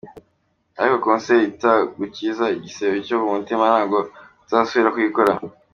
ariko ‘concert’ itagukiza igisebe cyo mu mutima ntabwo tuzasubira kuyikora.